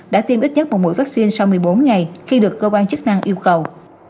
đã tiêm ít nhất một mũi vaccine sau một mươi bốn ngày khi được cơ quan chức năng yêu cầu